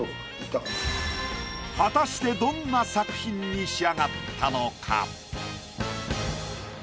果たしてどんな作品に仕上がったのか？